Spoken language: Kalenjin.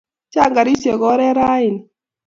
Chang' karisyek oret raini